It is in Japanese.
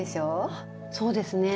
あそうですね。